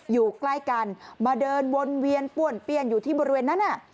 อยู่ใกล้กันมาเดินวนเวียนป้วนเปี้ยนอยู่ที่บริเวณนั้น